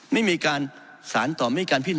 ไม่มีการสารต่อไม่มีการพินา